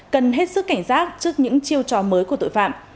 cần hết sức cảnh giác trước những chiêu trò mới của tội phạm